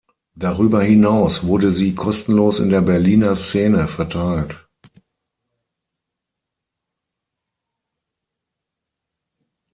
Darüber hinaus wurde sie kostenlos in der Berliner Szene verteilt.